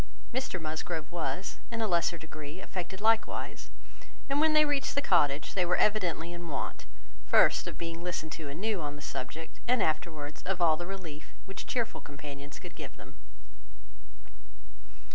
Mr Musgrove was, in a lesser degree, affected likewise; and when they reached the cottage, they were evidently in want, first, of being listened to anew on this subject, and afterwards, of all the relief which cheerful companions could give them.